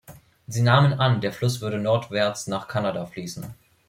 Sie nahmen an, der Fluss würde nordwärts nach Kanada fließen.